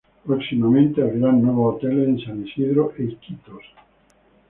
Próximamente, abrirán nuevos hoteles en San Isidro e Iquitos.